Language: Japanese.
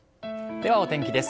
ではお天気です。